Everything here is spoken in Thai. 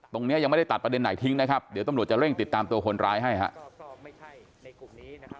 ยังไม่ได้ตัดประเด็นไหนทิ้งนะครับเดี๋ยวตำรวจจะเร่งติดตามตัวคนร้ายให้ครับ